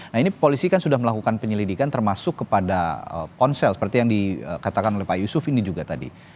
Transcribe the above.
nah ini polisi kan sudah melakukan penyelidikan termasuk kepada ponsel seperti yang dikatakan oleh pak yusuf ini juga tadi